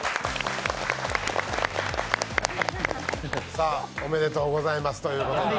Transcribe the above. さあ、おめでとうございますということで。